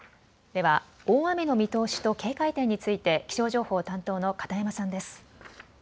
では大雨の見通しと警戒点について気象情報担当の片山さんです。